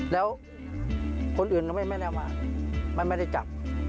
แล้วคนอื่นเขาไม่ได้มามันไม่ได้จับ